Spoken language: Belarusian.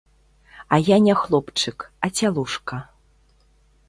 А я не хлопчык, а цялушка.